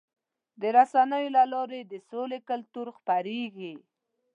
د رسنیو له لارې د سولې کلتور خپرېږي.